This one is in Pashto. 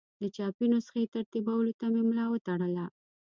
د چاپي نسخې ترتیبولو ته یې ملا وتړله.